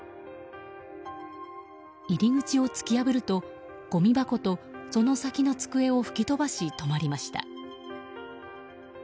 入り口を突き破るとごみ箱とその先の机を吹き飛ばし止まりました。